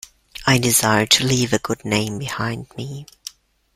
I desire to leave a good name behind me.